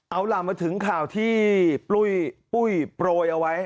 เอาล่ะมาถึงข่าวที่ปุ้ยโปรยเอาไว้